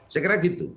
saya kira gitu